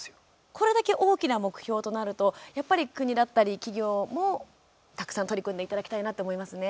これだけ大きな目標となると、やっぱり国だったり企業もたくさん取り組んでいただきたいなと思いますね。